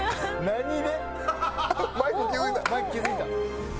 何で？